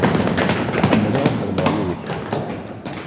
Ḥemmleɣ ad xedmeɣ yid-k.